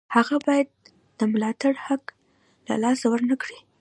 هغه باید د ملاتړ حق له لاسه ورنکړي.